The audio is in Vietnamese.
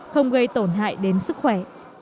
không gây tổn hại đến sức khỏe